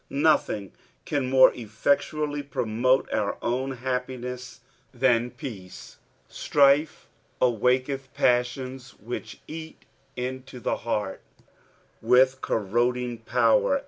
Nothing can more effectually promote our own happiness than peace ; strife awakens passions which est into the heart with corroding power.